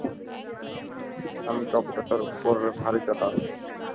আমি কপটতার উপর ভারি চটা।